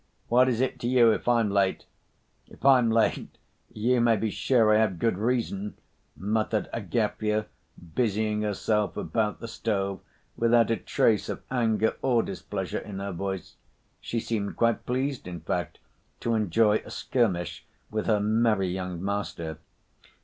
What is it to you if I'm late; if I'm late, you may be sure I have good reason," muttered Agafya, busying herself about the stove, without a trace of anger or displeasure in her voice. She seemed quite pleased, in fact, to enjoy a skirmish with her merry young master.